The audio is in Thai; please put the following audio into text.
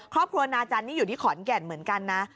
ครอบครัวนาจันนี่อยู่ที่ขอนแก่นเหมือนกันนะ